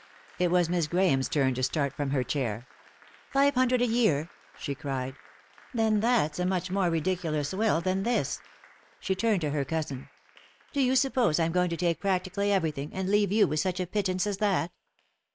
It was Miss Grahame's turn to start from her chair. " Five hundred a year I " she cried. " Then that's a much more ridiculous will than this I " She turned to her cousin. "Do you suppose I'm going to take prac tically everything, and leave you with such a pittance as that?"